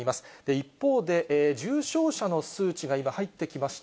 一方で、重症者の数値が今、入ってきました。